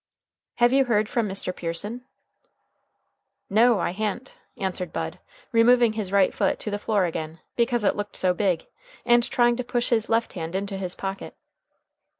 "Have you heard from Mr. Pearson?" "No, I ha'n't," answered Bud, removing his right foot to the floor again, because it looked so big, and trying to push his left hand into his pocket.